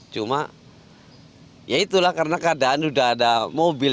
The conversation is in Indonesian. cuma ya itulah karena keadaan sudah ada mobil